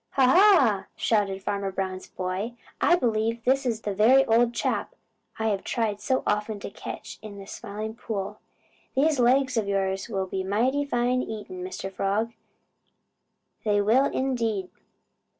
"Ha, ha!" shouted Farmer Brown's boy, "I believe this is the very old chap I have tried so often to catch in the Smiling Pool. These legs of yours will be mighty fine eating, Mr. Frog. They will, indeed."